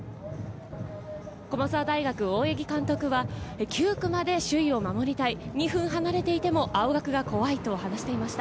駒澤大学・大八木監督は９区まで首位を守りたい、２分離れていても青学が怖いと話していました。